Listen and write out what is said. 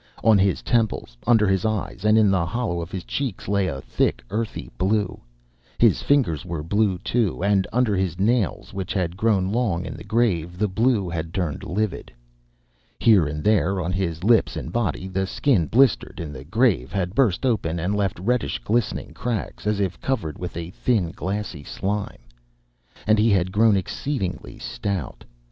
On his temples, under his eyes, and in the hollow of his cheek lay a thick, earthy blue. His fingers were blue, too, and under his nails, which had grown long in the grave, the blue had turned livid. Here and there on his lips and body, the skin, blistered in the grave, had burst open and left reddish glistening cracks, as if covered with a thin, glassy slime. And he had grown exceedingly stout.